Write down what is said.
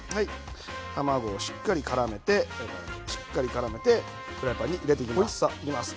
卵をしっかりからめてフライパンに入れていきます。